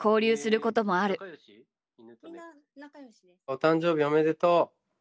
「お誕生日おめでとう」。